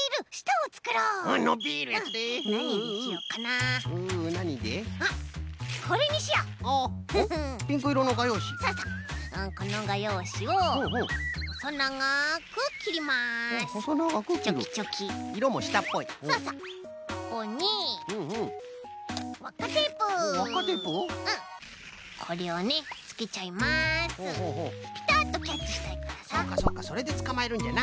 そうかそうかそれでつかまえるんじゃな。